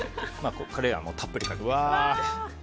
カレーあんをたっぷりかけて。